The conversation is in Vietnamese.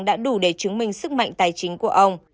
đã đủ để chứng minh sức mạnh tài chính của ông